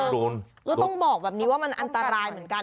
โดนก็ต้องบอกแบบนี้ว่ามันอันตรายเหมือนกัน